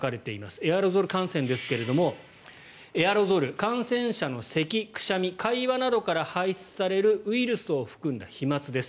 エアロゾル感染ですがエアロゾルは感染者のせき、くしゃみ会話などから排出されるウイルスを含んだ飛まつです。